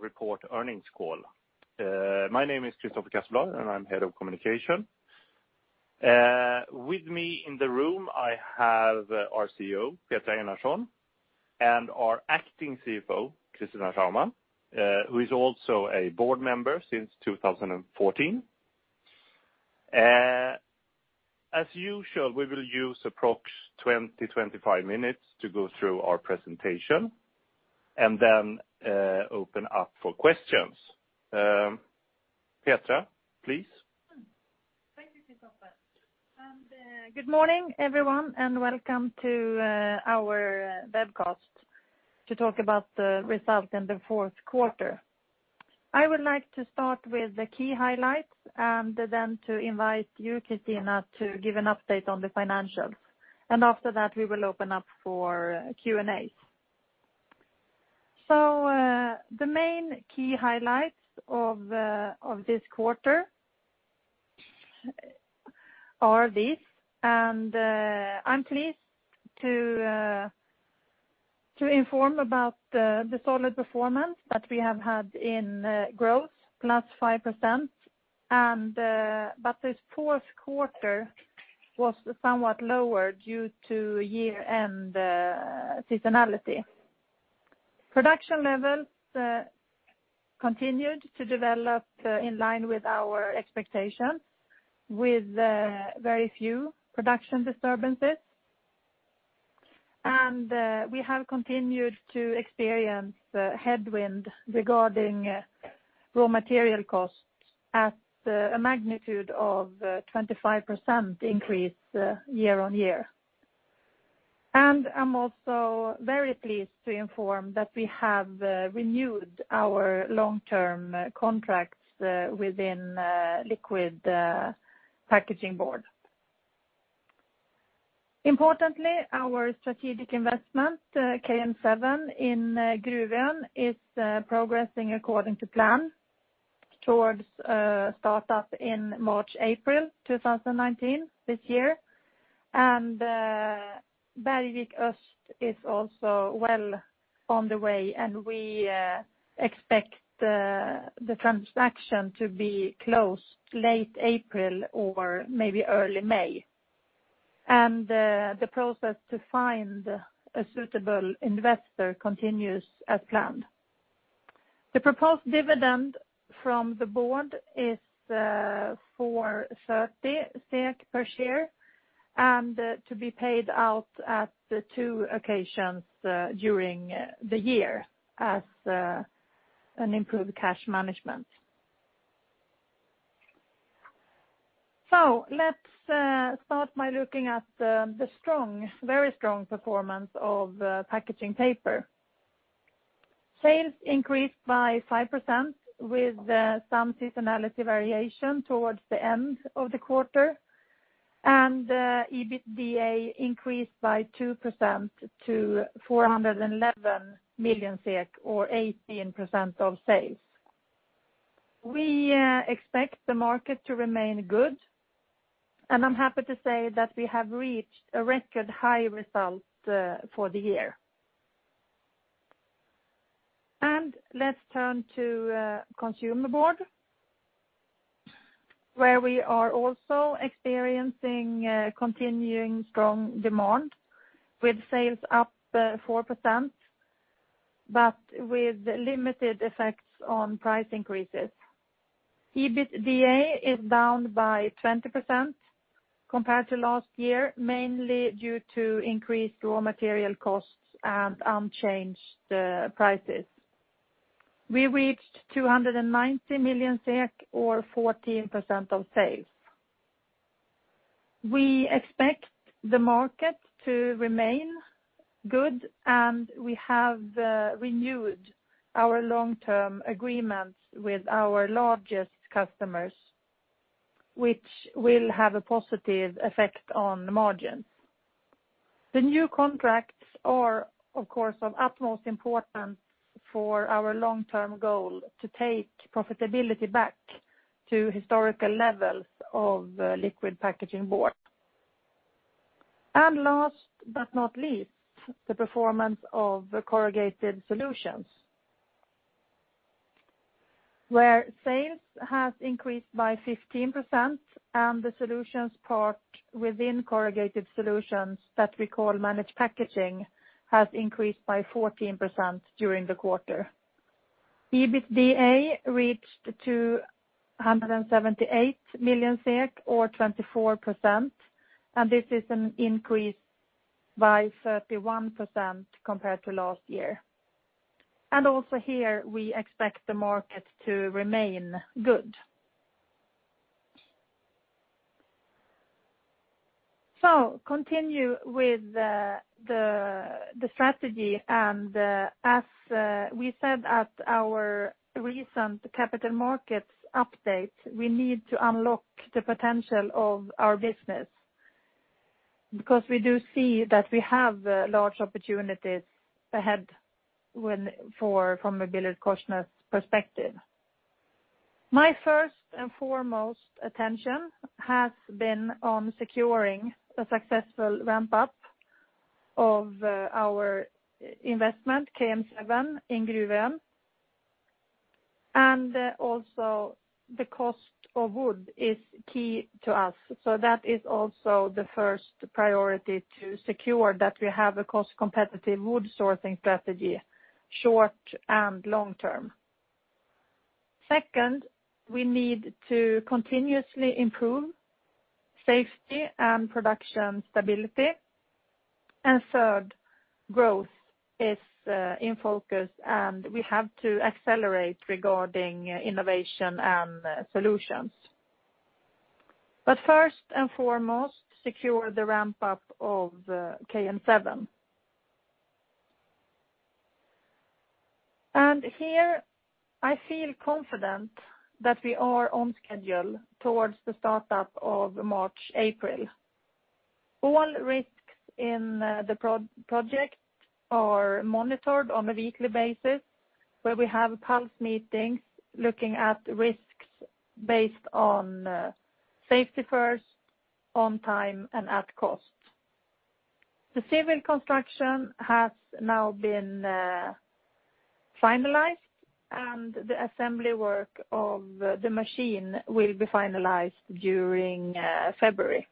Report earnings call. My name is Christopher Casselblad, and I'm Head of Communication. With me in the room, I have our CEO, Petra Einarsson, and our Acting Chief Financial Officer, Kristina Schauman, who is also a board member since 2014. As usual, we will use approx. 20-25 minutes to go through our presentation to then open up for questions. Petra, please. Thank you, Christopher. Good morning, everyone, and welcome to our webcast to talk about the result in the fourth quarter. I would like to start with the key highlights, to then invite you, Kristina, to give an update on the financials. After that, we will open up for Q&A. The main key highlights of this quarter are this. I'm pleased to inform about the solid performance that we have had in growth, +5%. This fourth quarter was somewhat lower due to year-end seasonality. Production levels continued to develop in line with our expectations, with very few production disturbances. We have continued to experience headwind regarding raw material costs at a magnitude of 25% increase year-on-year. I'm also very pleased to inform that we have renewed our long-term contracts within liquid packaging board. Importantly, our strategic investment, KM7 in Gruvön, is progressing according to plan towards startup in March, April 2019, this year. Bergvik Öst is also well on the way, and we expect the transaction to be closed late April or maybe early May. The process to find a suitable investor continues as planned. The proposed dividend from the board is 4.30 per share, to be paid out at two occasions during the year as an improved cash management. Let's start by looking at the very strong performance of Packaging Paper. Sales increased by 5% with some seasonality variation towards the end of the quarter, the EBITDA increased by 2% to 411 million SEK or 18% of sales. We expect the market to remain good, I'm happy to say that we have reached a record high result for the year. Let's turn to Consumer Board, where we are also experiencing continuing strong demand with sales up 4%, with limited effects on price increases. EBITDA is down by 20% compared to last year, mainly due to increased raw material costs and unchanged prices. We reached 290 million SEK or 14% of sales. We expect the market to remain good, we have renewed our long-term agreements with our largest customers, which will have a positive effect on margins. The new contracts are, of course, of utmost importance for our long-term goal to take profitability back to historical levels of liquid packaging board. Last but not least, the performance of the Corrugated Solutions, where sales has increased by 15% and the solutions part within Corrugated Solutions that we call Managed Packaging has increased by 14% during the quarter. EBITDA reached 278 million SEK, or 24%. This is an increase by 31% compared to last year. Also here, we expect the market to remain good. Continue with the strategy. As we said at our recent Capital Markets Day update, we need to unlock the potential of our business because we do see that we have large opportunities ahead from a BillerudKorsnäs perspective. My first and foremost attention has been on securing a successful ramp-up of our investment, KM7, in Gruvön. Also, the cost of wood is key to us. That is also the first priority to secure that we have a cost-competitive wood sourcing strategy, short and long term. Second, we need to continuously improve safety and production stability. Third, growth is in focus. We have to accelerate regarding innovation and solutions. First and foremost, secure the ramp-up of KM7. Here I feel confident that we are on schedule towards the startup of March, April. All risks in the project are monitored on a weekly basis, where we have pulse meetings looking at risks based on safety first, on time, and at cost. The civil construction has now been finalized. The assembly work of the machine will be finalized during February.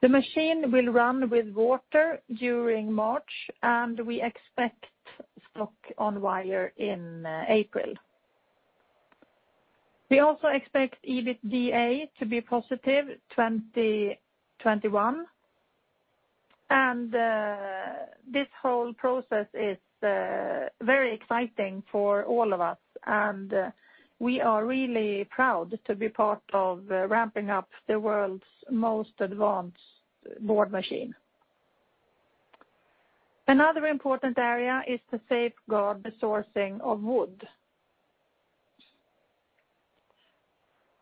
The machine will run with water during March. We expect stock on wire in April. We also expect EBITDA to be positive 2021. This whole process is very exciting for all of us. We are really proud to be part of ramping up the world's most advanced board machine. Another important area is to safeguard the sourcing of wood.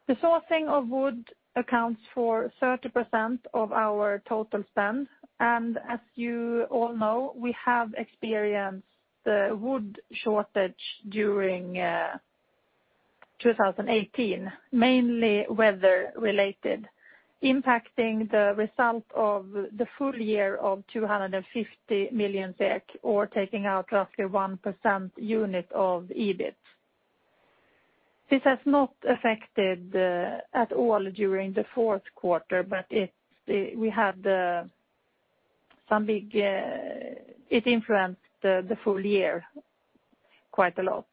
The sourcing of wood accounts for 30% of our total spend. As you all know, we have experienced the wood shortage during 2018, mainly weather related, impacting the result of the full year of 250 million, or taking out roughly 1% unit of EBIT. This has not affected at all during the fourth quarter. It influenced the full year quite a lot.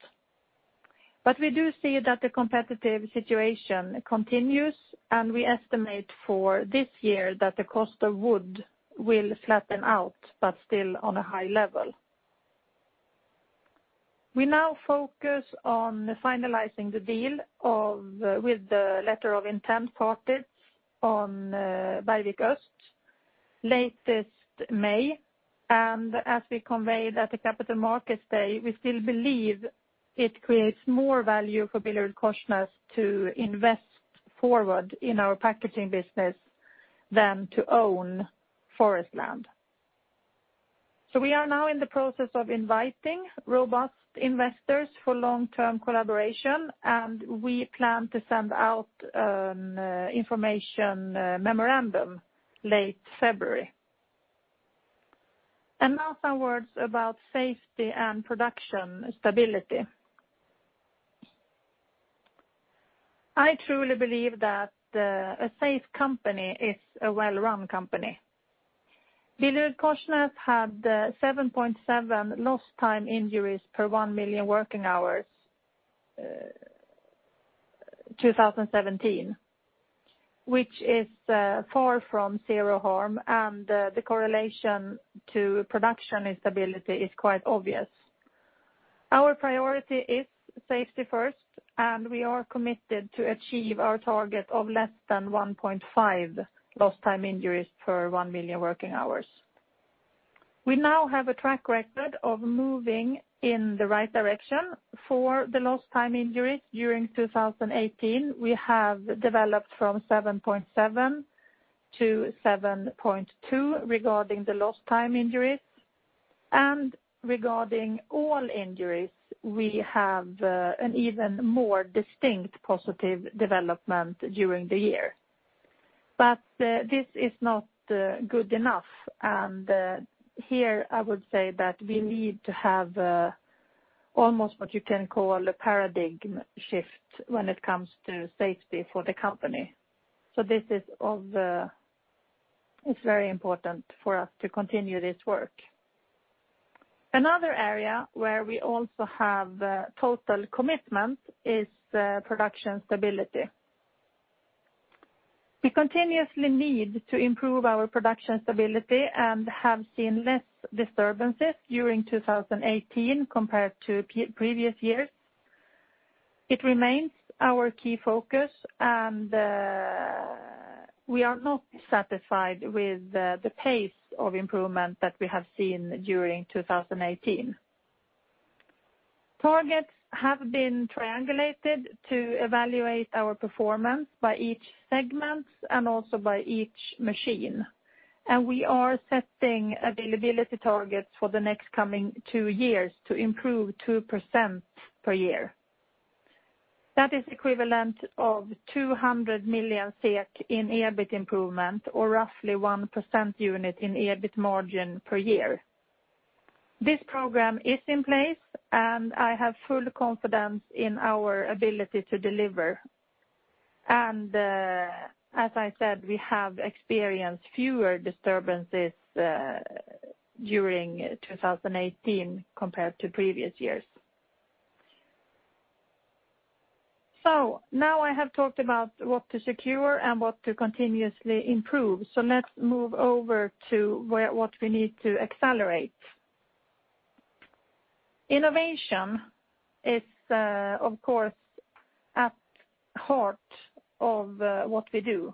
We do see that the competitive situation continues. We estimate for this year that the cost of wood will flatten out, but still on a high level. We now focus on finalizing the deal with the letter of intent parties on Bergvik Öst latest May. As we conveyed at the Capital Markets Day, we still believe it creates more value for BillerudKorsnäs to invest forward in our packaging business than to own forest land. We are now in the process of inviting robust investors for long-term collaboration. We plan to send out an information memorandum late February. Now some words about safety and production stability. I truly believe that a safe company is a well-run company. BillerudKorsnäs had 7.7 Lost Time Injuries per one million working hours 2017, which is far from zero harm. The correlation to production stability is quite obvious. Our priority is safety first. We are committed to achieve our target of less than 1.5 Lost Time Injuries per one million working hours. We now have a track record of moving in the right direction for the Lost Time Injuries during 2018. We have developed from 7.7 to 7.2 regarding the Lost Time Injuries. Regarding all injuries, we have an even more distinct positive development during the year. This is not good enough, here I would say that we need to have almost what you can call a paradigm shift when it comes to safety for the company. This is very important for us to continue this work. Another area where we also have total commitment is production stability. We continuously need to improve our production stability and have seen less disturbances during 2018 compared to previous years. It remains our key focus, we are not satisfied with the pace of improvement that we have seen during 2018. Targets have been triangulated to evaluate our performance by each segment and also by each machine. We are setting availability targets for the next coming 2 years to improve 2% per year. That is equivalent of 200 million SEK in EBIT improvement, or roughly 1% unit in EBIT margin per year. This program is in place, I have full confidence in our ability to deliver. As I said, we have experienced fewer disturbances during 2018 compared to previous years. Now I have talked about what to secure and what to continuously improve. Let's move over to what we need to accelerate. Innovation is, of course, at heart of what we do.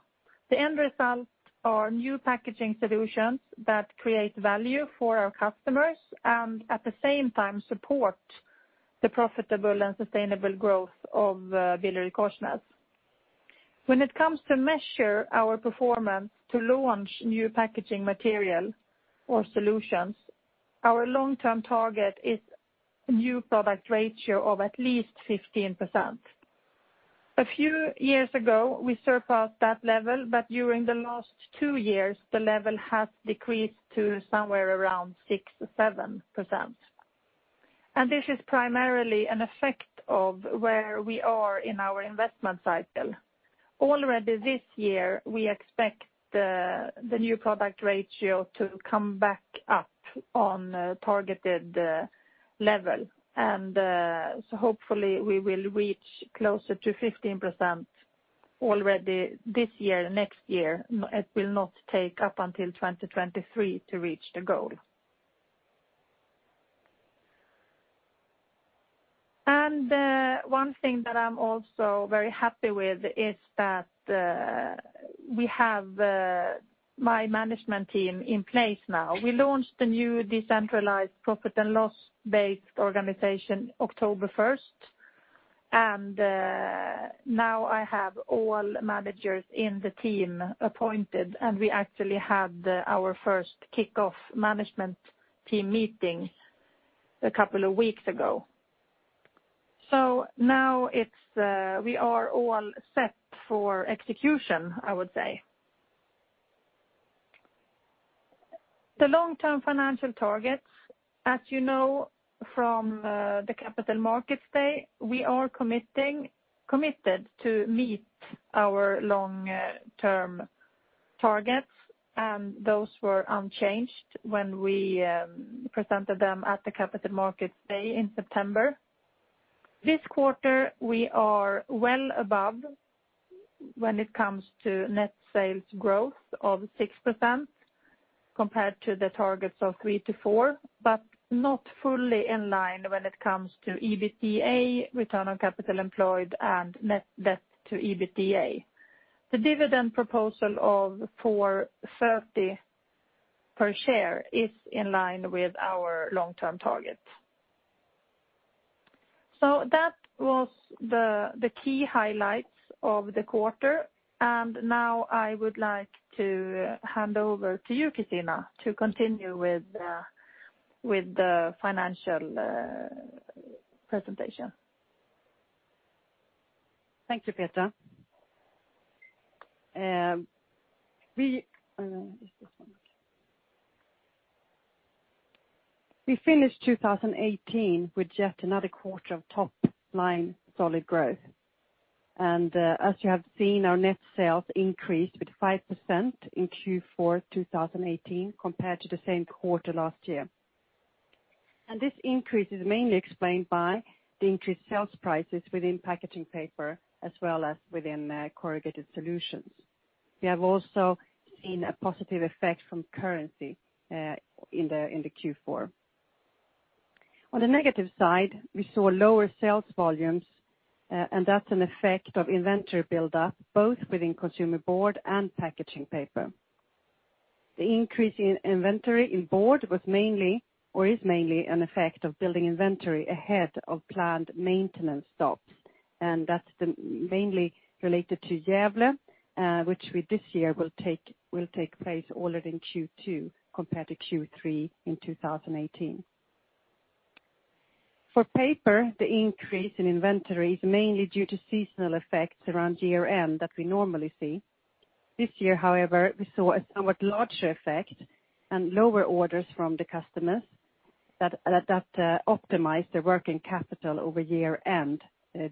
The end results are new packaging solutions that create value for our customers and at the same time support the profitable and sustainable growth of BillerudKorsnäs. When it comes to measure our performance to launch new packaging material or solutions, our long-term target is a new product ratio of at least 15%. A few years ago, we surpassed that level, but during the last two years, the level has decreased to somewhere around 6%-7%. This is primarily an effect of where we are in our investment cycle. Already this year, we expect the new product ratio to come back up on targeted level. Hopefully we will reach closer to 15% already this year, next year. It will not take up until 2023 to reach the goal. One thing that I'm also very happy with is that we have my management team in place now. We launched the new decentralized profit and loss-based organization October 1st, now I have all managers in the team appointed, we actually had our first kickoff management team meeting a couple of weeks ago. Now we are all set for execution, I would say. The long-term financial targets, as you know from the Capital Markets Day, we are committed to meet our long-term targets, those were unchanged when we presented them at the Capital Markets Day in September. This quarter, we are well above when it comes to net sales growth of 6% compared to the targets of 3%-4%, not fully in line when it comes to EBITDA, return on capital employed, and net debt to EBITDA. The dividend proposal of 4.30 per share is in line with our long-term target. That was the key highlights of the quarter. Now I would like to hand over to you, Kristina, to continue with the financial presentation. Thank you, Petra. We finished 2018 with yet another quarter of top-line solid growth. As you have seen, our net sales increased with 5% in Q4 2018 compared to the same quarter last year. This increase is mainly explained by the increased sales prices within Packaging Paper, as well as within Corrugated Solutions. We have also seen a positive effect from currency in the Q4. On the negative side, we saw lower sales volumes, and that's an effect of inventory buildup, both within Consumer Board and Packaging Paper. The increase in inventory in board was mainly or is mainly an effect of building inventory ahead of planned maintenance stops, and that's mainly related to Gävle, which this year will take place already in Q2 compared to Q3 in 2018. For paper, the increase in inventory is mainly due to seasonal effects around year-end that we normally see. This year, however, we saw a somewhat larger effect and lower orders from the customers that optimize their working capital over year-end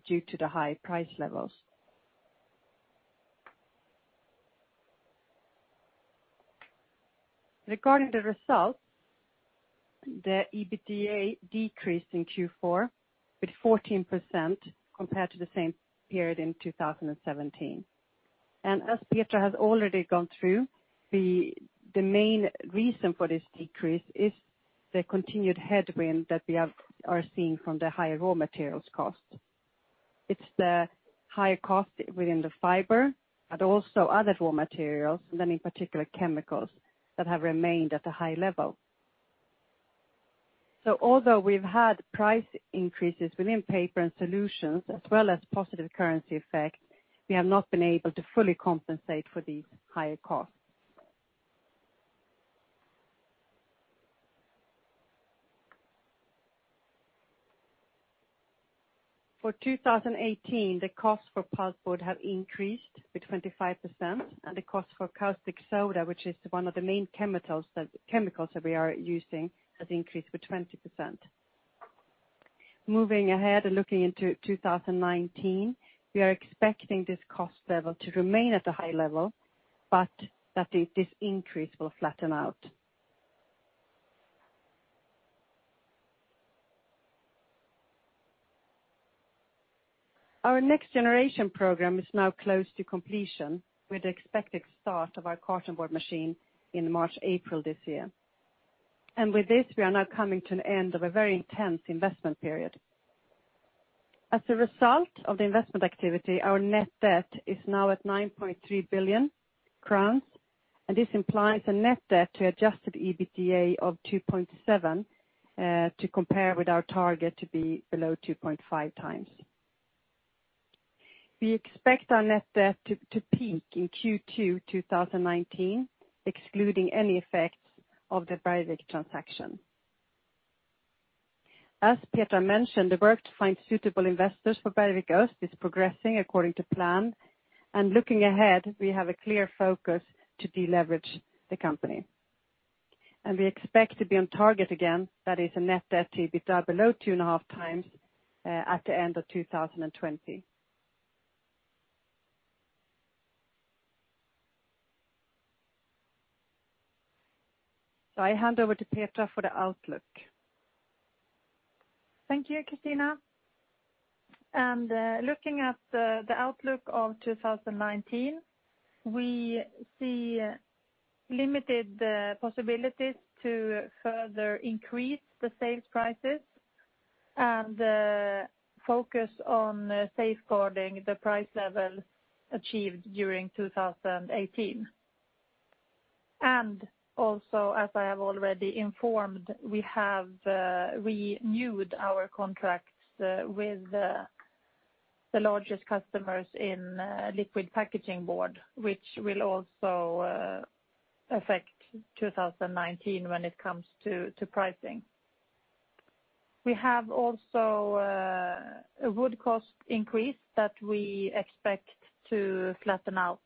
due to the high price levels. Regarding the results, the EBITDA decreased in Q4 with 14% compared to the same period in 2017. As Petra has already gone through, the main reason for this decrease is the continued headwind that we are seeing from the higher raw materials cost. It's the higher cost within the fiber, but also other raw materials, and then in particular, chemicals that have remained at a high level. Although we've had price increases within paper and solutions, as well as positive currency effect, we have not been able to fully compensate for these higher costs. For 2018, the cost for pulp board have increased by 25%, and the cost for caustic soda, which is one of the main chemicals that we are using, has increased by 20%. Moving ahead and looking into 2019, we are expecting this cost level to remain at a high level, but that this increase will flatten out. Our next generation program is now close to completion with the expected start of our cartonboard machine in March, April this year. With this, we are now coming to an end of a very intense investment period. As a result of the investment activity, our net debt is now at 9.3 billion crowns, and this implies a net debt to adjusted EBITDA of 2.7x to compare with our target to be below 2.5x. We expect our net debt to peak in Q2 2019, excluding any effects of the Bergvik transaction. As Petra mentioned, the work to find suitable investors for Bergvik Öst is progressing according to plan, looking ahead, we have a clear focus to de-leverage the company. We expect to be on target again, that is a net debt to EBITDA below 2.5 times, at the end of 2020. I hand over to Petra for the outlook. Thank you, Kristina. Looking at the outlook of 2019, we see limited possibilities to further increase the sales prices and focus on safeguarding the price level achieved during 2018. Also, as I have already informed, we have renewed our contracts with the largest customers in liquid packaging board, which will also affect 2019 when it comes to pricing. We have also a wood cost increase that we expect to flatten out,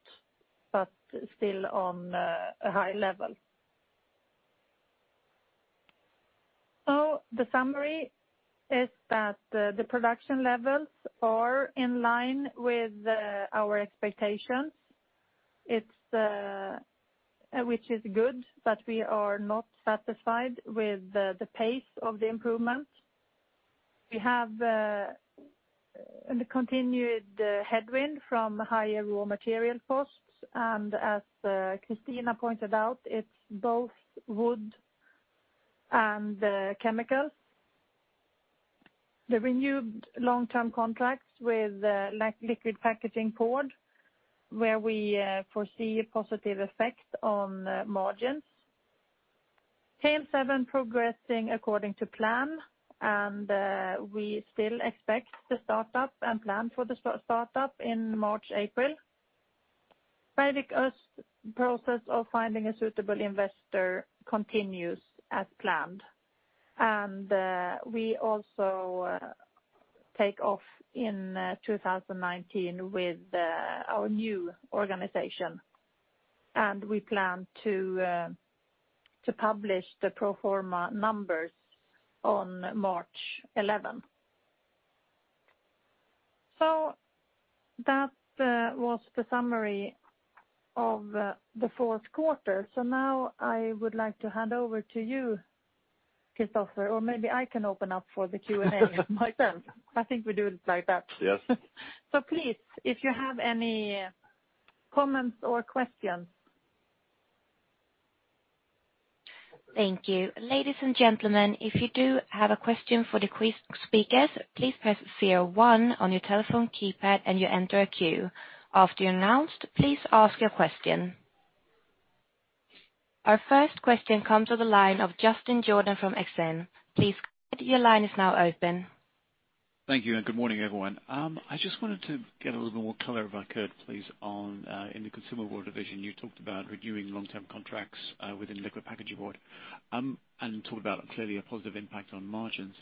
but still on a high level. The summary is that the production levels are in line with our expectations, which is good, but we are not satisfied with the pace of the improvement. We have a continued headwind from higher raw material costs, and as Kristina pointed out, it's both wood and chemicals. The renewed long-term contracts with liquid packaging board, where we foresee a positive effect on margins. KM7 progressing according to plan, and we still expect the start-up and plan for the start-up in March, April. Bergvik Öst process of finding a suitable investor continues as planned. We also take off in 2019 with our new organization. We plan to publish the pro forma numbers on March 11th. That was the summary of the fourth quarter. Now I would like to hand over to you, Christopher, or maybe I can open up for the Q&A myself. I think we do it like that. Yes. Please, if you have any comments or questions. Thank you. Ladies and gentlemen, if you do have a question for the speakers, please press zero one on your telephone keypad and you enter a queue. After you're announced, please ask your question. Our first question comes to the line of Justin Jordan from Exane. Please go ahead, your line is now open. Thank you. Good morning, everyone. I just wanted to get a little bit more color if I could, please, on in the Consumer Board division, you talked about renewing long-term contracts within liquid packaging board and talked about clearly a positive impact on margins.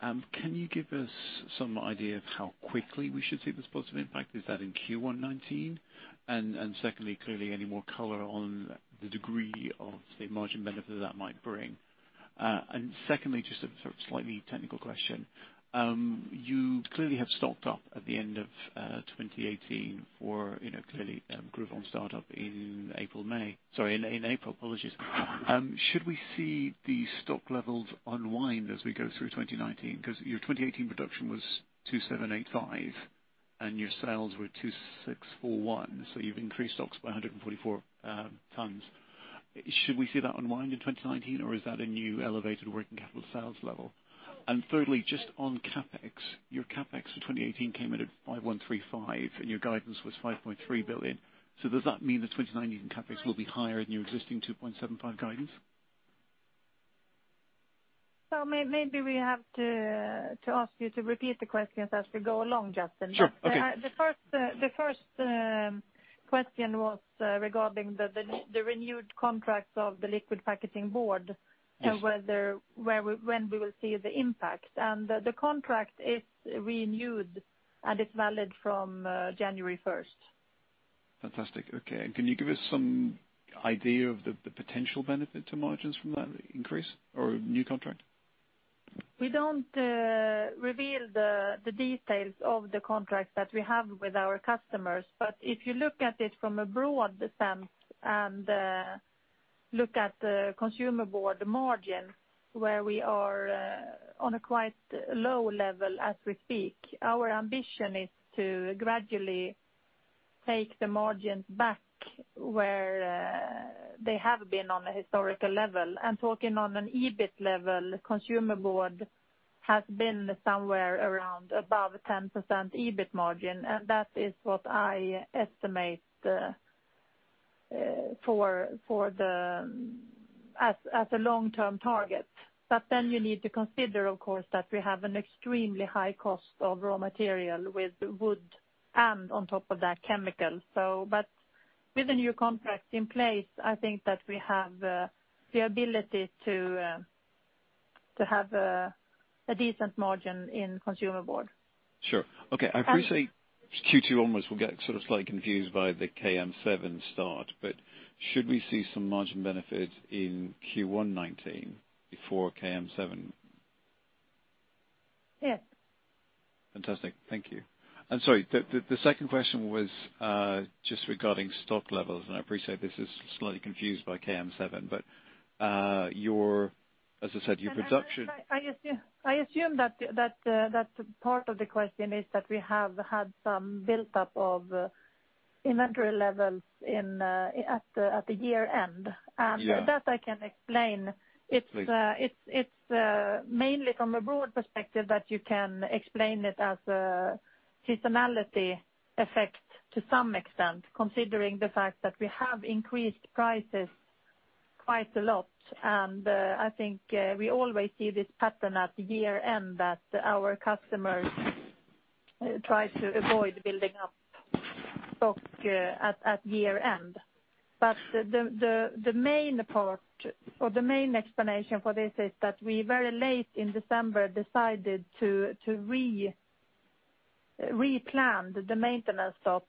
Can you give us some idea of how quickly we should see this positive impact? Is that in Q1 2019? Secondly, clearly any more color on the degree of, say, margin benefit that might bring. Secondly, just a sort of slightly technical question. You clearly have stocked up at the end of 2018 for clearly Gruvön start-up in April. Should we see the stock levels unwind as we go through 2019? Because your 2018 production was 2,785 and your sales were 2,641, so you've increased stocks by 144 tons. Should we see that unwind in 2019, or is that a new elevated working capital sales level? Thirdly, just on CapEx. Your CapEx for 2018 came in at 5,135, and your guidance was 5.3 billion. Does that mean the 2019 CapEx will be higher than your existing 2.75 guidance? Maybe we have to ask you to repeat the questions as we go along, Justin. Sure. Okay. The first question was regarding the renewed contracts of the liquid packaging board and when we will see the impact. The contract is renewed and is valid from January 1st. Fantastic. Okay. Can you give us some idea of the potential benefit to margins from that increase or new contract? We don't reveal the details of the contracts that we have with our customers. If you look at it from a broad sense and look at the Consumer Board margin, where we are on a quite low level as we speak, our ambition is to gradually take the margins back where they have been on a historical level. Talking on an EBIT level, Consumer Board has been somewhere around above 10% EBIT margin, and that is what I estimate as a long-term target. You need to consider, of course, that we have an extremely high cost of raw material with wood and on top of that, chemical. With the new contract in place, I think that we have the ability to have a decent margin in Consumer Board. Sure. Okay. I appreciate Q2 almost will get slightly confused by the KM7 start, should we see some margin benefit in Q1 2019 before KM7? Yes. Fantastic. Thank you. Sorry, the second question was just regarding stock levels. I appreciate this is slightly confused by KM7, as I said, your production- I assume that part of the question is that we have had some buildup of inventory levels at the year-end. Yeah. That I can explain. Please. It's mainly from a broad perspective that you can explain it as a seasonality effect to some extent, considering the fact that we have increased prices quite a lot. I think we always see this pattern at year-end that our customers try to avoid building up stock at year-end. The main part or the main explanation for this is that we very late in December decided to replan the maintenance stop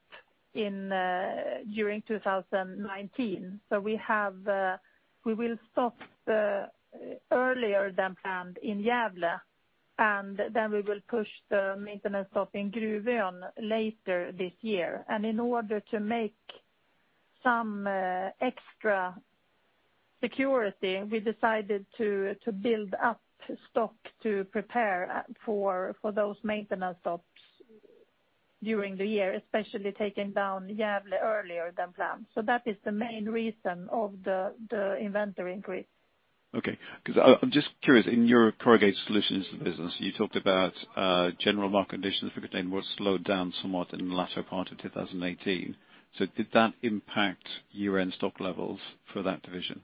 during 2019. We will stop earlier than planned in Gävle. Then we will push the maintenance stop in Gruvön later this year. In order to make some extra security, we decided to build up stock to prepare for those maintenance stops during the year, especially taking down Gävle earlier than planned. That is the main reason of the inventory increase. Okay. I'm just curious, in your Corrugated Solutions business, you talked about general market conditions for containerboard slowed down somewhat in the latter part of 2018. Did that impact year-end stock levels for that division?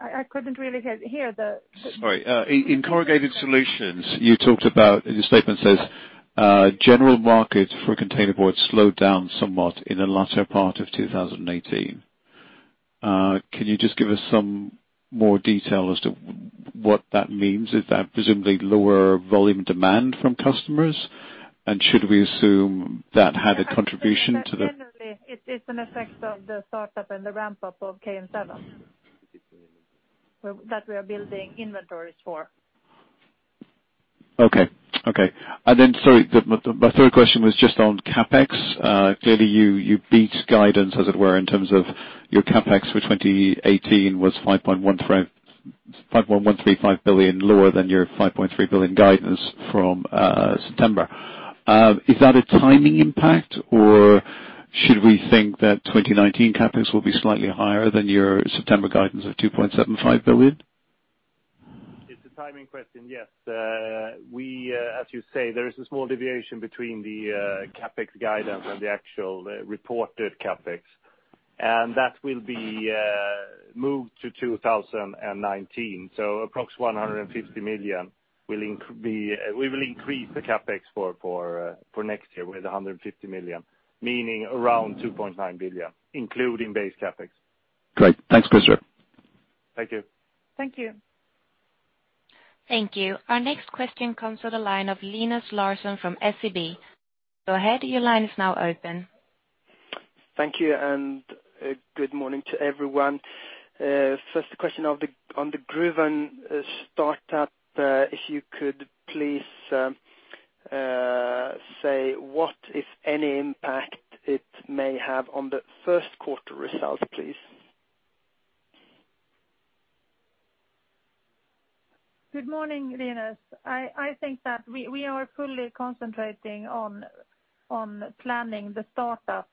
I couldn't really hear. Sorry. In Corrugated Solutions, you talked about, your statement says, "General market for containerboard slowed down somewhat in the latter part of 2018." Can you just give us some more detail as to what that means? Is that presumably lower volume demand from customers? Should we assume that had a contribution? Generally, it is an effect of the startup and the ramp-up of KM7 that we are building inventories for. Okay. Sorry, my third question was just on CapEx. Clearly you beat guidance, as it were, in terms of your CapEx for 2018 was 5.135 billion, lower than your 5.3 billion guidance from September. Is that a timing impact, or should we think that 2019 CapEx will be slightly higher than your September guidance of 2.75 billion? It's a timing question, yes. As you say, there is a small deviation between the CapEx guidance and the actual reported CapEx. That will be moved to 2019. Approx SEK 150 million, we will increase the CapEx for next year with 150 million, meaning around 2.9 billion, including base CapEx. Great. Thanks, Christopher. Thank you. Thank you. Thank you. Our next question comes to the line of Linus Larsson from SEB. Go ahead, your line is now open. Thank you, good morning to everyone. First question on the Gruvön start-up. If you could please say what, if any, impact it may have on the first quarter results, please. Good morning, Linus. I think that we are fully concentrating on planning the startup.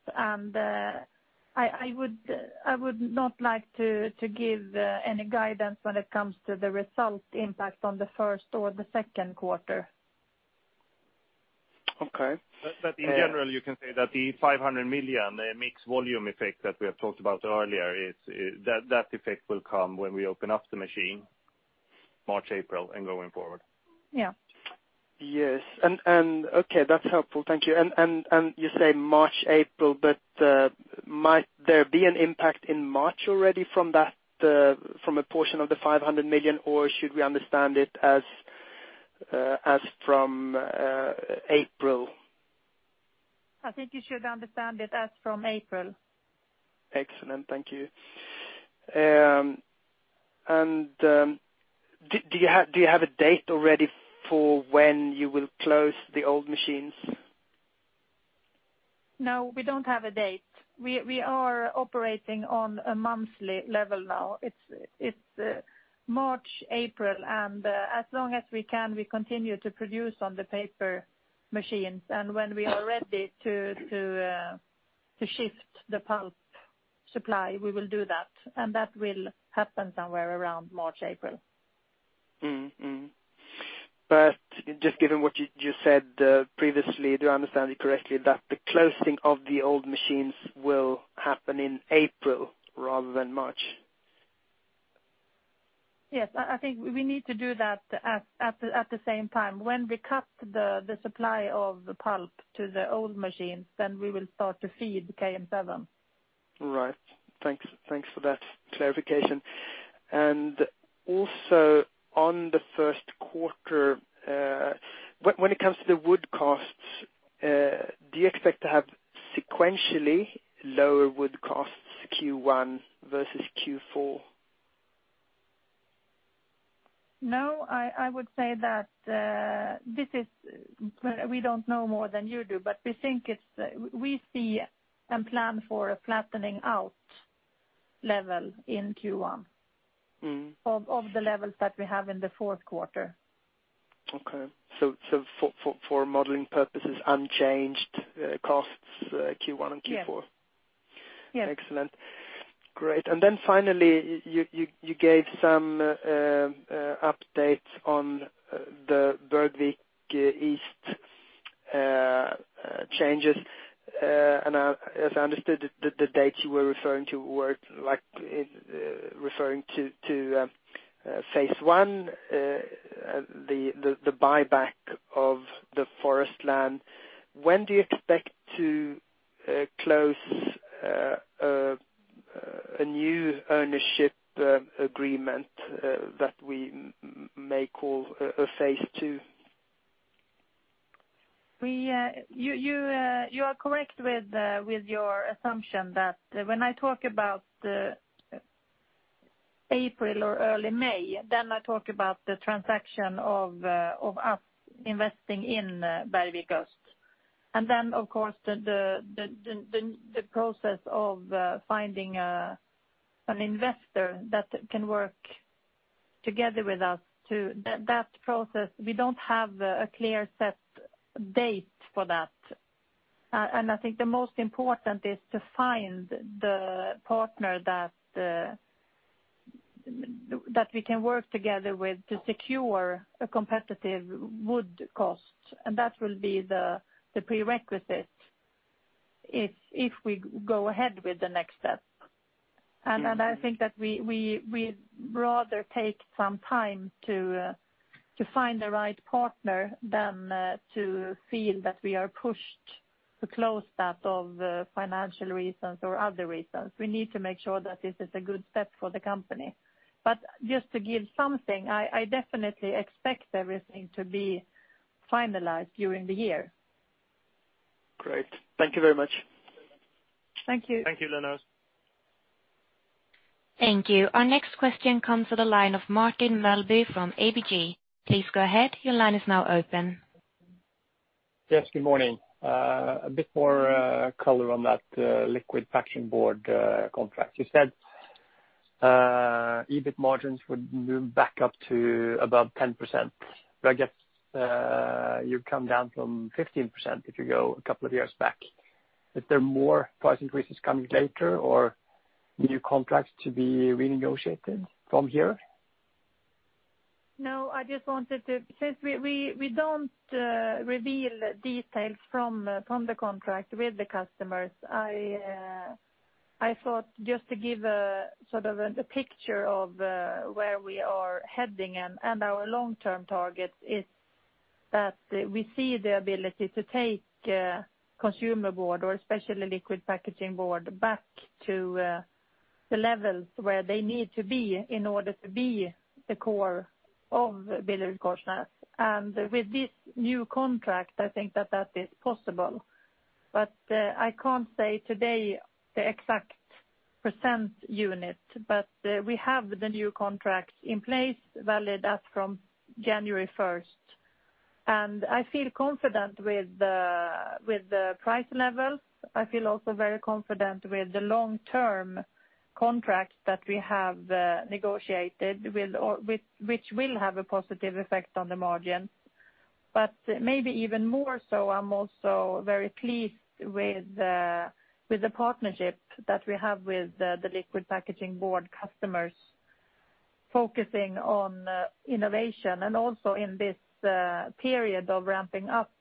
I would not like to give any guidance when it comes to the result impact on the first or the second quarter. Okay. In general, you can say that the 500 million, the mixed volume effect that we have talked about earlier, that effect will come when we open up the machine March, April, and going forward. Yeah. Yes. Okay, that's helpful. Thank you. You say March, April, but might there be an impact in March already from a portion of the 500 million, or should we understand it as from April? I think you should understand it as from April. Excellent. Thank you. Do you have a date already for when you will close the old machines? No, we don't have a date. We are operating on a monthly level now. It's March, April. As long as we can, we continue to produce on the paper machines. When we are ready to shift the pulp supply, we will do that, and that will happen somewhere around March, April. Just given what you said previously, do I understand it correctly that the closing of the old machines will happen in April rather than March? Yes. I think we need to do that at the same time. When we cut the supply of the pulp to the old machines, then we will start to feed KM7. Right. Thanks for that clarification. Also on the first quarter, when it comes to the wood costs, do you expect to have sequentially lower wood costs Q1 versus Q4? No, I would say that we do not know more than you do, but we see and plan for a flattening out level in Q1. Of the levels that we have in the fourth quarter. Okay. For modeling purposes, unchanged costs Q1 and Q4? Yes. Excellent. Great. Finally, you gave some updates on the Bergvik Öst changes, as I understood, the dates you were referring to were referring to phase I, the buyback of the forest land. When do you expect to close a new ownership agreement that we may call a phase II? You are correct with your assumption that when I talk about April or early May, I talk about the transaction of us investing in Bergvik Öst. Then, of course, the process of finding an investor that can work together with us, that process, we don't have a clear set date for that. I think the most important is to find the partner that we can work together with to secure a competitive wood cost. That will be the prerequisite if we go ahead with the next step. I think that we rather take some time to find the right partner than to feel that we are pushed to close that of financial reasons or other reasons. We need to make sure that this is a good step for the company. Just to give something, I definitely expect everything to be finalized during the year. Great. Thank you very much. Thank you. Thank you, Linus. Thank you. Our next question comes to the line of Martin Melbye from ABG. Please go ahead. Your line is now open. Yes, good morning. A bit more color on that liquid packaging board contract. You said, EBIT margins would move back up to above 10%, but I guess you've come down from 15% if you go a couple of years back. Is there more price increases coming later or new contracts to be renegotiated from here? No, I just wanted to, since we don't reveal details from the contract with the customers, I thought just to give a picture of where we are heading and our long-term target is that we see the ability to take Consumer Board or especially liquid packaging board back to the levels where they need to be in order to be the core of BillerudKorsnäs. With this new contract, I think that that is possible. I can't say today the exact percent unit, but we have the new contracts in place valid as from January 1st. I feel confident with the price levels. I feel also very confident with the long-term contracts that we have negotiated, which will have a positive effect on the margin. Maybe even more so, I'm also very pleased with the partnership that we have with the liquid packaging board customers, focusing on innovation and also in this period of ramping up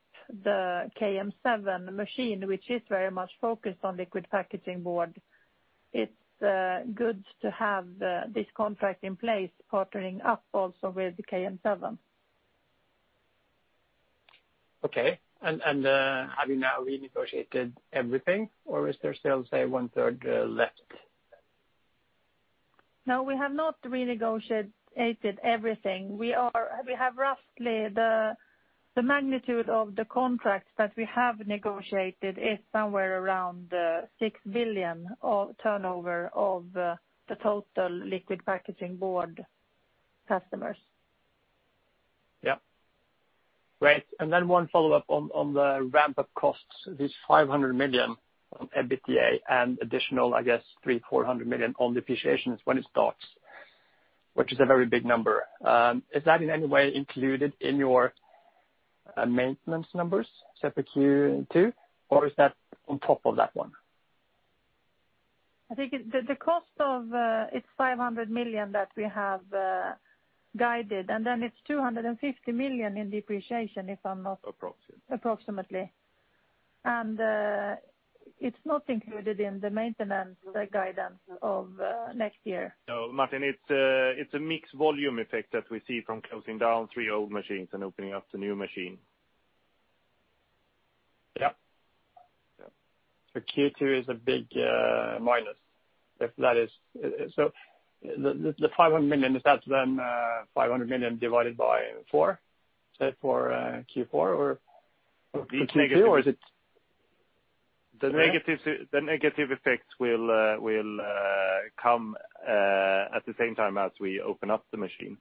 the KM7 machine, which is very much focused on liquid packaging board. It's good to have this contract in place, partnering up also with the KM7. Okay. Have you now renegotiated everything or is there still, say, one-third left? No, we have not renegotiated everything. Roughly, the magnitude of the contracts that we have negotiated is somewhere around 6 billion of turnover of the total liquid packaging board customers. Yeah. Great. Then one follow-up on the ramp-up costs. This 500 million on EBITDA and additional, I guess 300 million-400 million on depreciations when it starts, which is a very big number. Is that in any way included in your maintenance numbers set for Q2, or is that on top of that one? I think the cost of it is 500 million that we have guided. Then it's 250 million in depreciation. Approximate. Approximately. It's not included in the maintenance guidance of next year. No, Martin, it's a mixed volume effect that we see from closing down three old machines and opening up the new machine. Yeah. Q2 is a big minus. The 500 million, is that then 500 million divided by four, say, for Q4? Or is it-? The negative effects will come at the same time as we open up the machine.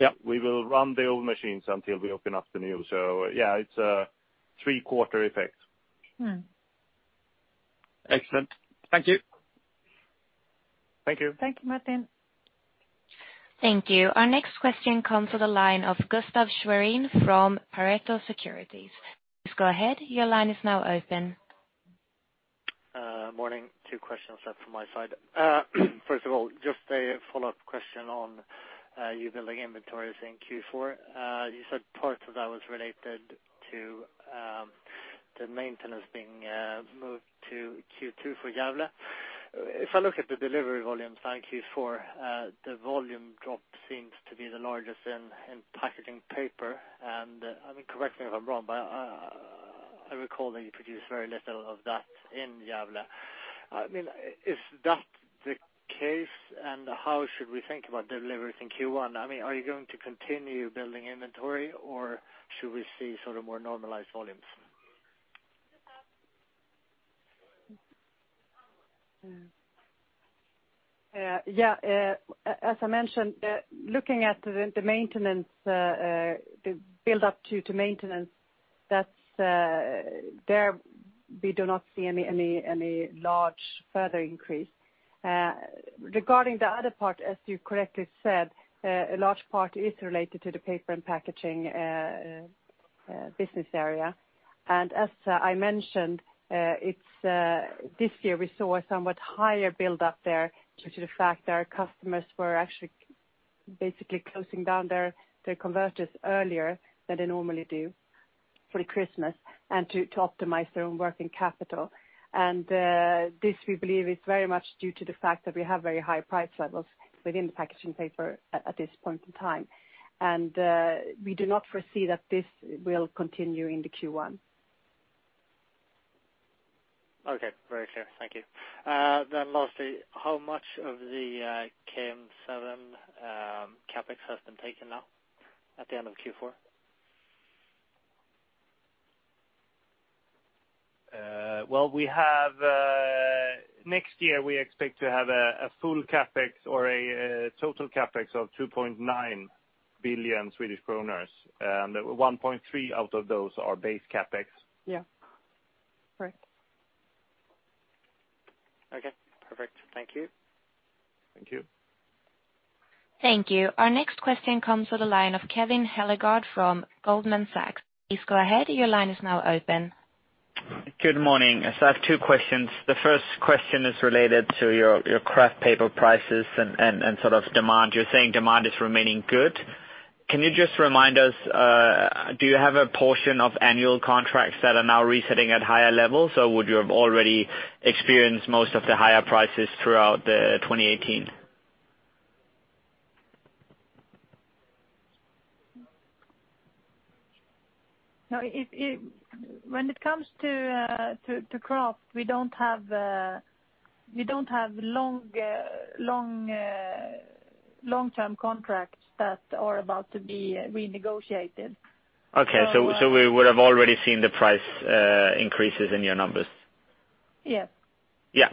Yep. We will run the old machines until we open up the new. Yeah, it's a three quarter effect. Excellent. Thank you. Thank you. Thank you, Martin. Thank you. Our next question comes to the line of Gustaf Schwerin from Pareto Securities. Please go ahead. Your line is now open. Morning. Two questions from my side. First of all, just a follow-up question on you building inventories in Q4. You said part of that was related to the maintenance being moved to Q2 for Gävle. If I look at the delivery volumes in Q4, the volume drop seems to be the largest in Packaging Paper. Correct me if I'm wrong, but I recall that you produce very little of that in Gävle. If that's the case, how should we think about deliveries in Q1? Are you going to continue building inventory, or should we see more normalized volumes? Yeah. As I mentioned, looking at the build-up to maintenance, there we do not see any large further increase. Regarding the other part, as you correctly said, a large part is related to the Packaging Paper business area. As I mentioned, this year we saw a somewhat higher build-up there, due to the fact that our customers were actually basically closing down their converters earlier than they normally do for Christmas and to optimize their own working capital. This, we believe, is very much due to the fact that we have very high price levels within the Packaging Paper at this point in time. We do not foresee that this will continue into Q1. Okay. Very clear. Thank you. Lastly, how much of the KM7 CapEx has been taken now at the end of Q4? Next year, we expect to have a full CapEx or a total CapEx of 2.9 billion Swedish kronor. 1.3 billion out of those are base CapEx. Yeah. Correct. Okay. Perfect. Thank you. Thank you. Thank you. Our next question comes to the line of Kevin Hellegård from Goldman Sachs. Please go ahead. Your line is now open. Good morning. I have two questions. The first question is related to your kraft paper prices and demand. You're saying demand is remaining good. Can you just remind us, do you have a portion of annual contracts that are now resetting at higher levels, or would you have already experienced most of the higher prices throughout 2018? When it comes to kraft, we don't have long-term contracts that are about to be renegotiated. Okay. We would have already seen the price increases in your numbers? Yes. Yeah.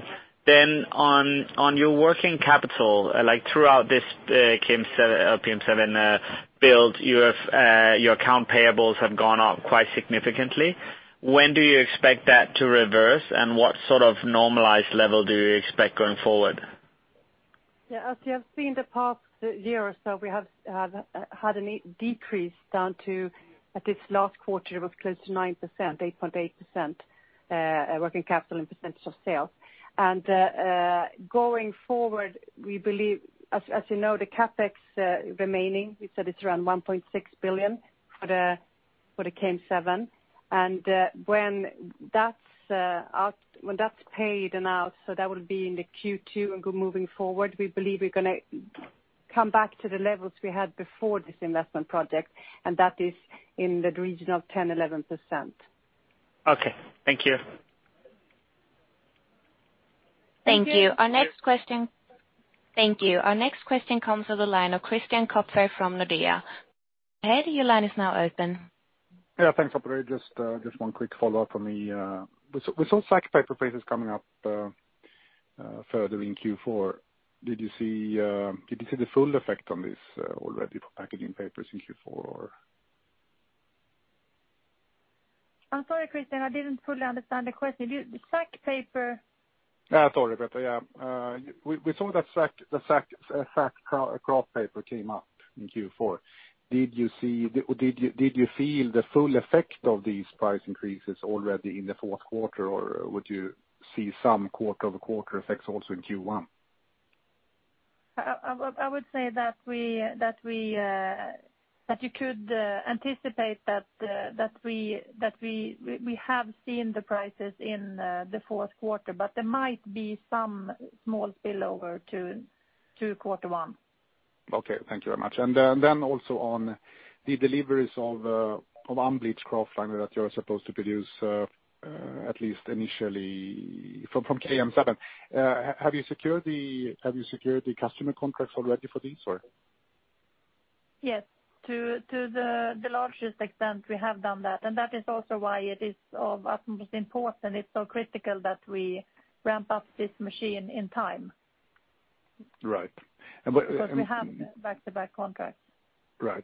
On your working capital, throughout this KM7 build, your account payables have gone up quite significantly. When do you expect that to reverse, and what sort of normalized level do you expect going forward? Yeah, as you have seen the past year or so, we have had a decrease down to, at this last quarter, it was close to 9%, 8.8%, working capital in percentage of sales. Going forward, as you know, the CapEx remaining, we said it's around 1.6 billion for the KM7. When that's paid and out, that will be in the Q2 and moving forward, we believe we're going to come back to the levels we had before this investment project, and that is in the region of 10%, 11%. Okay. Thank you. Thank you, Kevin Thank you. Our next question comes from the line of Christian Kopfer from Nordea. Go ahead, your line is now open. Yeah, thanks operator. Just one quick follow-up from me. We saw sack paper prices coming up further in Q4. Did you see the full effect on this already for Packaging Papers in Q4? I'm sorry, Christian, I didn't fully understand the question. The sack paper? Sorry, Petra. We saw that sack kraft paper came up in Q4. Did you feel the full effect of these price increases already in the fourth quarter, or would you see some quarter-over-quarter effects also in Q1? I would say that you could anticipate that we have seen the prices in the fourth quarter, but there might be some small spillover to quarter one. Okay. Thank you very much. Also on the deliveries of unbleached kraft liner that you are supposed to produce, at least initially from KM7. Have you secured the customer contracts already for these? Yes. To the largest extent, we have done that. That is also why it is of utmost importance, it is so critical that we ramp up this machine in time. Right. We have back-to-back contracts. Right.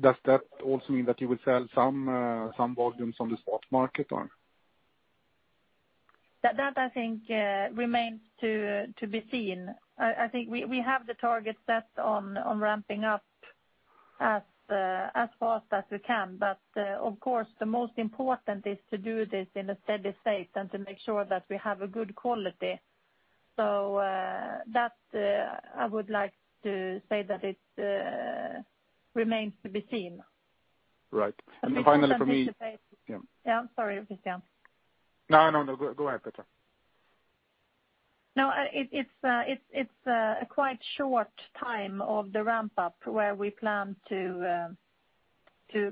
Does that also mean that you will sell some volumes on the stock market? That, I think remains to be seen. I think we have the target set on ramping up as fast as we can. Of course, the most important is to do this in a steady state and to make sure that we have a good quality. That, I would like to say that it remains to be seen. Right. Finally, for me. Yeah, I'm sorry, Christian. No, go ahead, Petra. No, it's a quite short time of the ramp-up where we plan to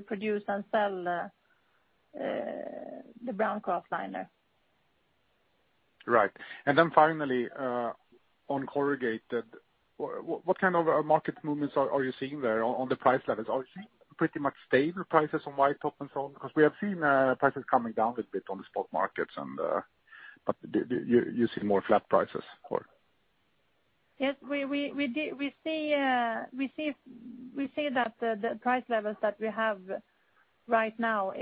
produce and sell the brown kraft liner. Right. Finally, on corrugated, what kind of market movements are you seeing there on the price levels? Are you seeing pretty much stable prices on white top and so on? Because we have seen prices coming down a bit on the stock markets, you're seeing more flat prices? Yes, we see that the price levels that we have right now,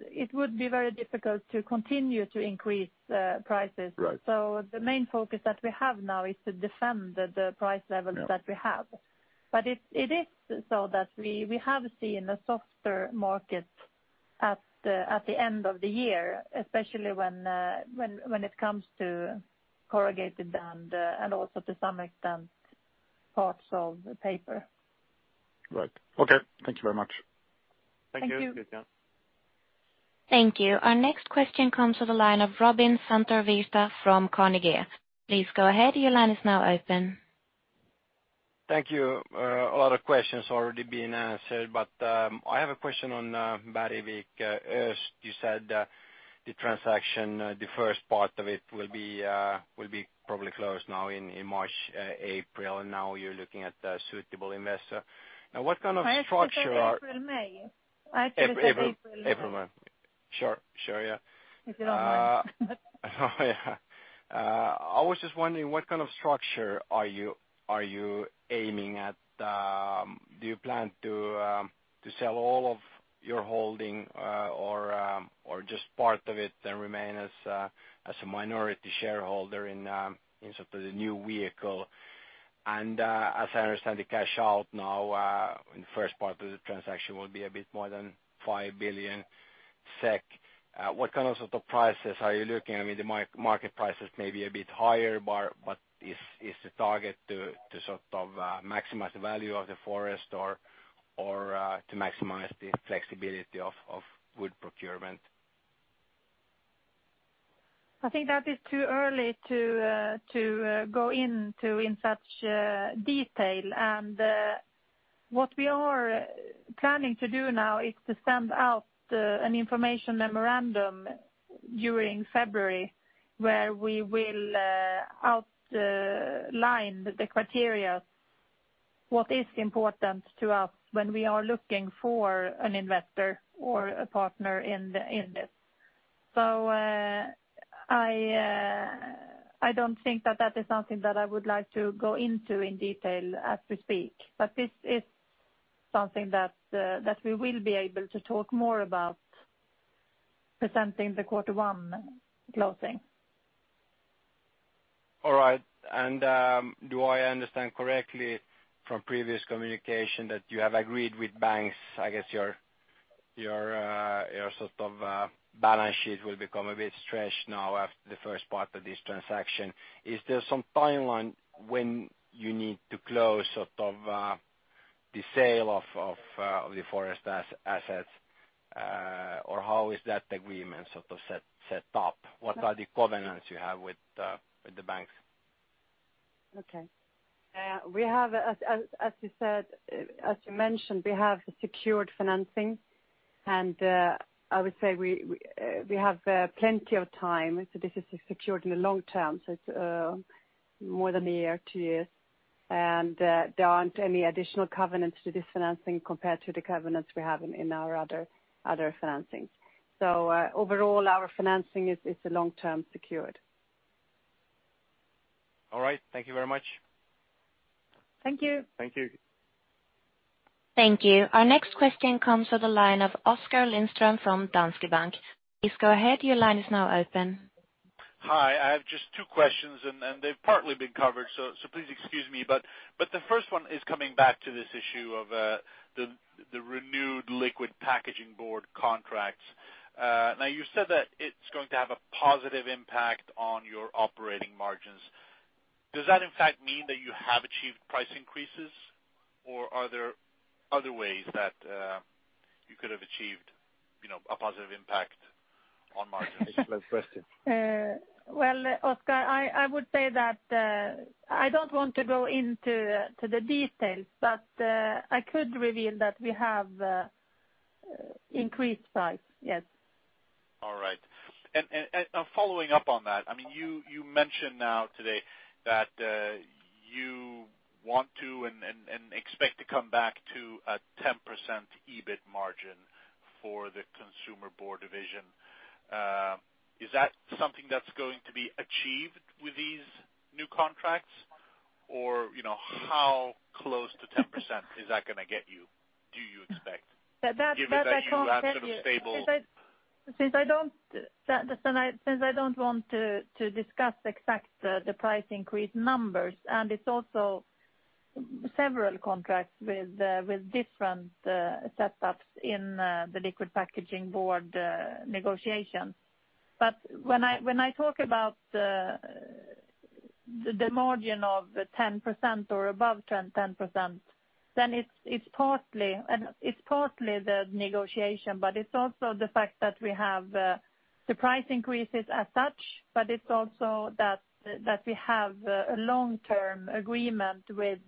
it would be very difficult to continue to increase prices. Right. The main focus that we have now is to defend the price levels that we have. It is so that we have seen a softer market at the end of the year, especially when it comes to corrugated and also to some extent, parts of the paper. Right. Okay. Thank you very much. Thank you. Thank you, Christian. Thank you. Our next question comes to the line of Robin Santavirta from Carnegie. Please go ahead, your line is now open. Thank you. A lot of questions already been answered. I have a question on Bergvik Öst. You said the transaction, the first part of it will be probably closed now in March, April. Now you're looking at a suitable investor. What kind of structure are-. I actually said April, May. April, May. Sure, yeah. If you don't mind. I was just wondering what kind of structure are you aiming at? Do you plan to sell all of your holding or just part of it and remain as a minority shareholder in the new vehicle? As I understand, the cash out now in the first part of the transaction will be a bit more than 5 billion SEK . What kind of sort of prices are you looking? I mean, the market prices may be a bit higher, but is the target to maximize the value of the forest or to maximize the flexibility of wood procurement? I think that is too early to go into in such detail. What we are planning to do now is to send out an information memorandum during February, where we will outline the criteria. What is important to us when we are looking for an investor or a partner in this. I don't think that is something that I would like to go into in detail as we speak. This is something that we will be able to talk more about presenting the quarter one closing. All right. Do I understand correctly from previous communication that you have agreed with banks, I guess your balance sheet will become a bit stretched now after the first part of this transaction. Is there some timeline when you need to close the sale of the forest assets? How is that agreement set up? What are the covenants you have with the banks? Okay. We have, as you mentioned, we have secured financing, and I would say we have plenty of time. This is secured in the long term. It's more than a year, two years, and there aren't any additional covenants to this financing compared to the covenants we have in our other financing. Overall, our financing is a long-term secured. All right. Thank you very much. Thank you. Thank you. Thank you. Our next question comes from the line of Oskar Lindström from Danske Bank. Please go ahead. Your line is now open. Hi. I have just two questions and they've partly been covered, so please excuse me. The first one is coming back to this issue of the renewed liquid packaging board contracts. Now you said that it's going to have a positive impact on your operating margins. Does that in fact mean that you have achieved price increases, or are there other ways that you could have achieved a positive impact on margins? Excellent question. Well, Oskar, I would say that I don't want to go into the details. I could reveal that we have increased price. Yes. All right. Following up on that, you mentioned now today that you want to and expect to come back to a 10% EBIT margin for the Consumer Board division. Is that something that's going to be achieved with these new contracts? How close to 10% is that going to get you? Do you expect? That I can't tell you. Given that you have stable- Since I don't want to discuss exact the price increase numbers, and it's also several contracts with different setups in the liquid packaging board negotiation. When I talk about the margin of 10% or above 10%, then it's partly the negotiation, but it's also the fact that we have the price increases as such, but it's also that we have a long-term agreement with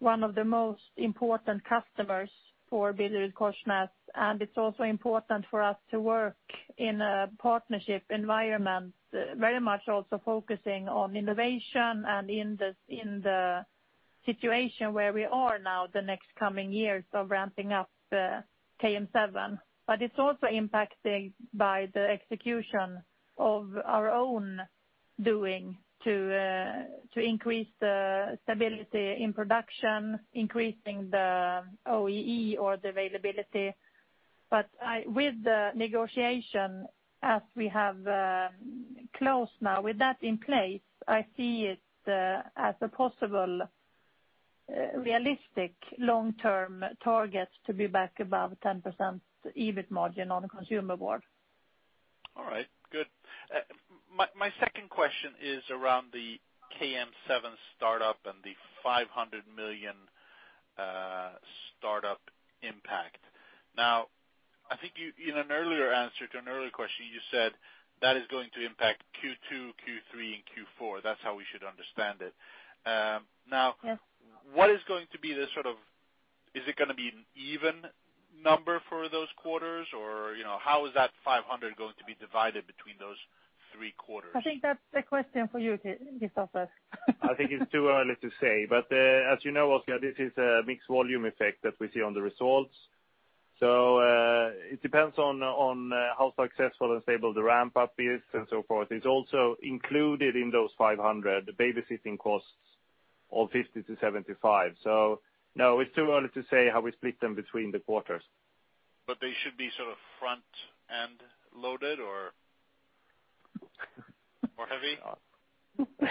one of the most important customers for BillerudKorsnäs, and it's also important for us to work in a partnership environment, very much also focusing on innovation and in the situation where we are now the next coming years of ramping up KM7. It's also impacting by the execution of our own doing to increase the stability in production, increasing the OEE or the availability. With the negotiation as we have closed now, with that in place, I see it as a possible realistic long-term target to be back above 10% EBIT margin on Consumer Board. All right, good. My second question is around the KM7 startup and the 500 million start-up impact. I think in an earlier answer to an earlier question, you said that is going to impact Q2, Q3, and Q4. That's how we should understand it. Yes. Is it going to be an even number for those quarters? How is that 500 going to be divided between those three quarters? I think that's a question for you, Christopher. I think it's too early to say. As you know, Oskar, this is a mixed volume effect that we see on the results. It depends on how successful and stable the ramp-up is and so forth. It's also included in those 500, the babysitting costs of 50-75. No, it's too early to say how we split them between the quarters. They should be front-end loaded or heavy?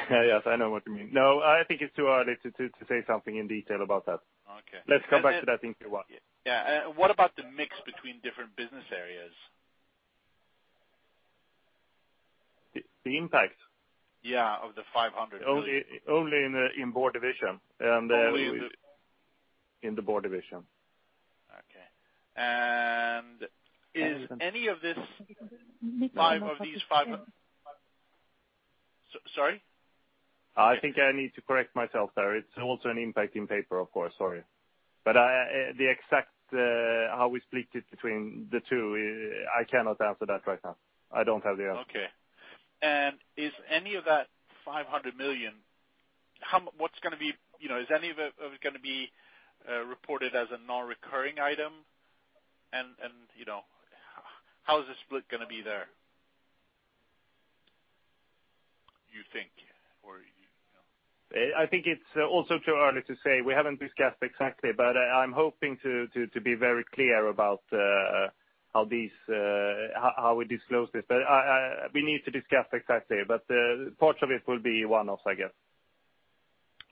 Yes, I know what you mean. No, I think it's too early to say something in detail about that. Okay. Let's come back to that in Q1. Yeah. What about the mix between different business areas? The impact? Yeah, of the 500 million. Only in board division. Only in the. In the board division. Okay. Is any of these five Sorry? I think I need to correct myself there. It's also an impact in paper, of course. Sorry. The exact how we split it between the two, I cannot answer that right now. I don't have the answer. Okay. Is any of that 500 million, is any of it going to be reported as a non-recurring item? How is the split going to be there, you think? I think it's also too early to say. We haven't discussed exactly, but I'm hoping to be very clear about how we disclose this. We need to discuss exactly, but parts of it will be one-offs, I guess.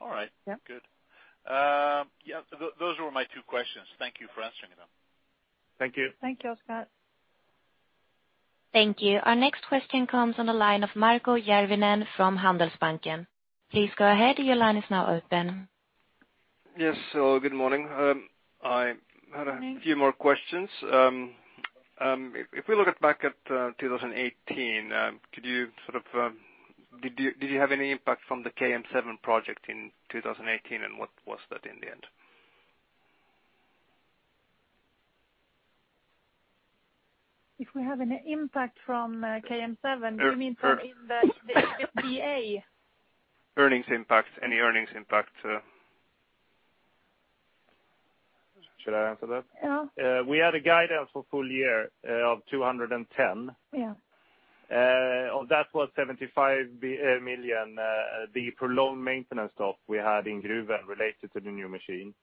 All right. Yeah. Good. Yeah, those were my two questions. Thank you for answering them. Thank you. Thank you, Oskar. Thank you. Our next question comes on the line of Markku Järvinen from Handelsbanken. Please go ahead. Your line is now open. Yes. Good morning. I had a few more questions. If we look back at 2018, did you have any impact from the KM7 project in 2018, and what was that in the end? If we have an impact from KM7, you mean from the FDA? Earnings impact, any earnings impact. Should I answer that? Yeah. We had a guidance for full year of 210. Yeah. Of that was 75 million, the prolonged maintenance stop we had in Gruvön related to the new machine.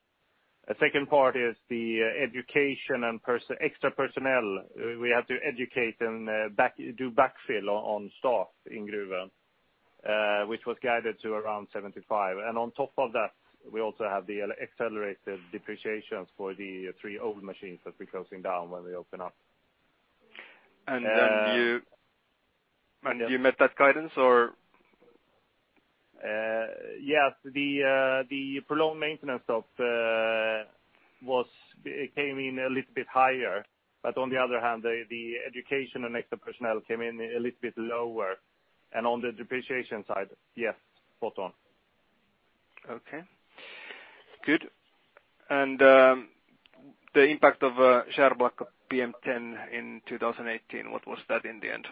The second part is the education and extra personnel we had to educate and do backfill on staff in Gruvön, which was guided to around 75. On top of that, we also have the accelerated depreciations for the three old machines that we're closing down when we open up. You met that guidance or? Yes. The prolonged maintenance stop came in a little bit higher, but on the other hand, the education and extra personnel came in a little bit lower. On the depreciation side, yes, spot on. Okay, good. The impact of Skärblacka PM10 in 2018, what was that in the end?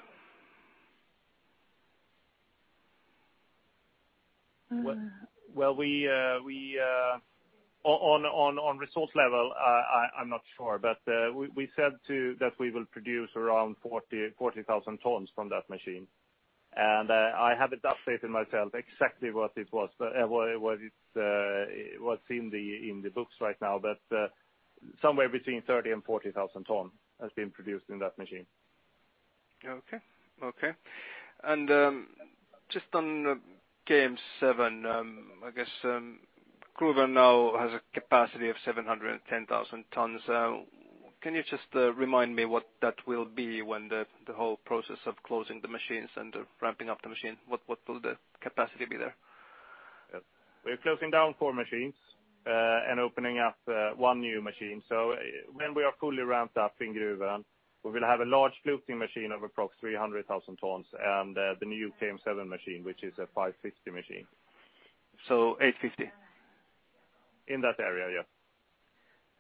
Well, on resource level, I'm not sure, but we said that we will produce around 40,000 tons from that machine. I have it updated myself exactly what's in the books right now, but somewhere between 30,000 and 40,000 ton has been produced in that machine. Just on KM7, I guess Gruvön now has a capacity of 710,000 tons. Can you just remind me what that will be when the whole process of closing the machines and ramping up the machine, what will the capacity be there? We're closing down four machines, and opening up one new machine. When we are fully ramped up in Gruvön, we will have a large floating machine of approx. 300,000 tons, and the new KM7 machine, which is a 550 machine. 850? In that area,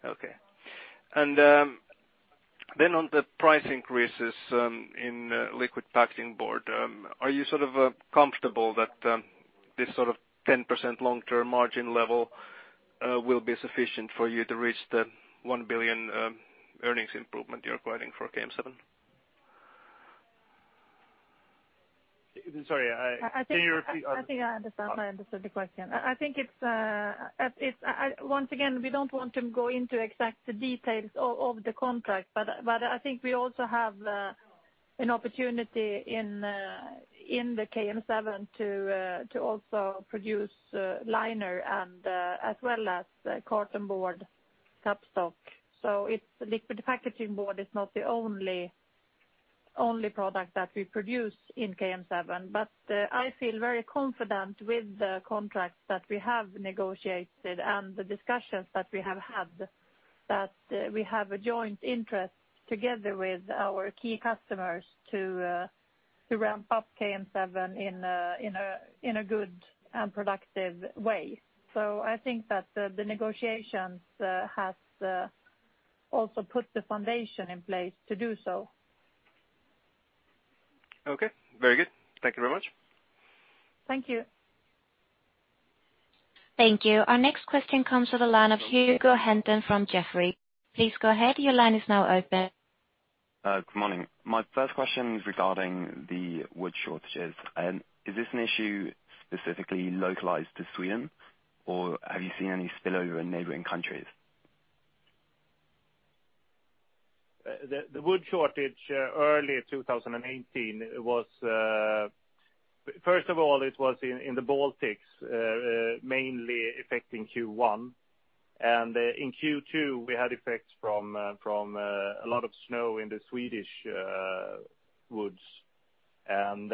yeah. Okay. On the price increases in liquid packaging board, are you comfortable that this 10% long-term margin level will be sufficient for you to reach the 1 billion earnings improvement you're requiring for KM7? Sorry, can you repeat? I think I understand. I understood the question. Once again, we don't want to go into exact details of the contract, I think we also have an opportunity in the KM7 to also produce liner as well as cartonboard cup stock. Liquid packaging board is not the only product that we produce in KM7. I feel very confident with the contracts that we have negotiated and the discussions that we have had, that we have a joint interest together with our key customers to ramp up KM7 in a good and productive way. I think that the negotiations have also put the foundation in place to do so. Okay, very good. Thank you very much. Thank you. Thank you. Our next question comes to the line of Hugo Henson from Jefferies. Please go ahead. Your line is now open. Good morning. My first question is regarding the wood shortages. Is this an issue specifically localized to Sweden, or have you seen any spillover in neighboring countries? The wood shortage early 2018, first of all, it was in the Baltics, mainly affecting Q1. In Q2, we had effects from a lot of snow in the Swedish woods. In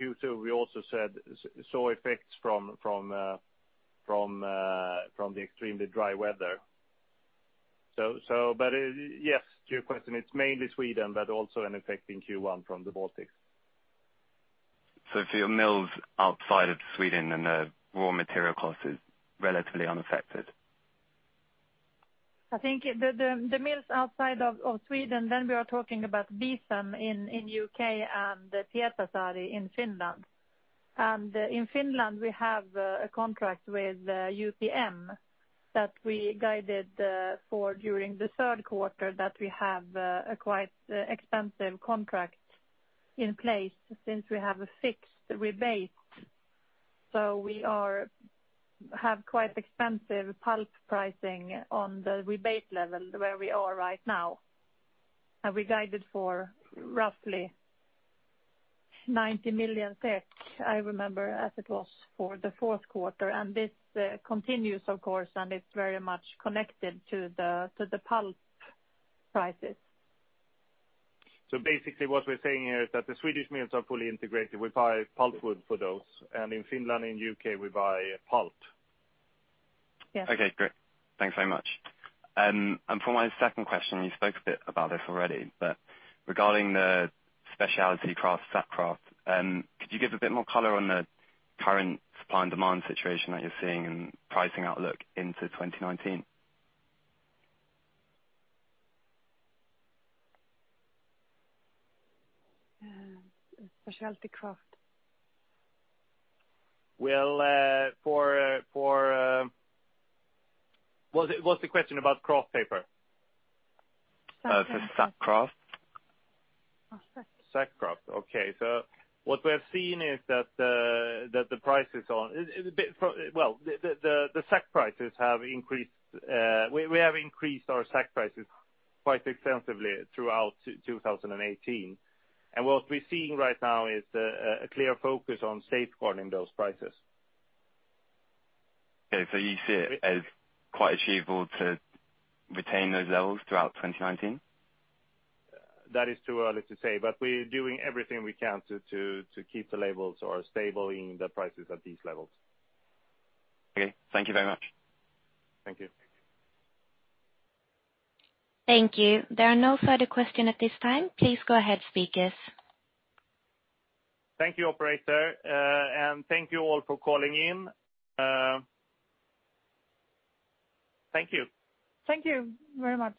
Q2, we also saw effects from the extremely dry weather. Yes, to your question, it is mainly Sweden, but also an effect in Q1 from the Baltics. For your mills outside of Sweden and the raw material cost is relatively unaffected? I think the mills outside of Sweden, we are talking about Beetham in U.K. and Pietarsaari in Finland. In Finland, we have a contract with UPM that we guided for during the third quarter that we have a quite expensive contract in place since we have a fixed rebate. We have quite expensive pulp pricing on the rebate level where we are right now, and we guided for roughly 90 million, I remember, as it was for the fourth quarter. This continues, of course, and it's very much connected to the pulp prices. Basically what we're saying here is that the Swedish mills are fully integrated. We buy pulpwood for those. In Finland and U.K., we buy pulp. Yes. Okay, great. Thanks very much. For my second question, you spoke a bit about this already, but regarding the speciality kraft, sack kraft, could you give a bit more color on the current supply and demand situation that you're seeing and pricing outlook into 2019? Specialty kraft. Was the question about kraft paper? No, for sack kraft. Sack kraft. Okay. What we have seen is that the prices on the sack prices have increased. We have increased our sack prices quite extensively throughout 2018. What we're seeing right now is a clear focus on safeguarding those prices. Okay, you see it as quite achievable to retain those levels throughout 2019? That is too early to say, we're doing everything we can to keep the levels or stable in the prices at these levels. Okay. Thank you very much. Thank you. Thank you. There are no further question at this time. Please go ahead, speakers. Thank you, operator. Thank you all for calling in. Thank you. Thank you very much.